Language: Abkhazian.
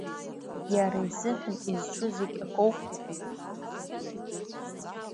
Иара изыҳәан изҿу зегь акоуп?